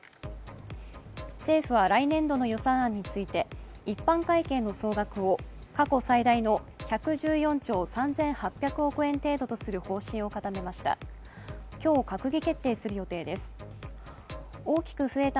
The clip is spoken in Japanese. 政府は、来年度の予算案について一般会計の総額を過去最大の１１４兆３８００億円程度とする方針を固めました。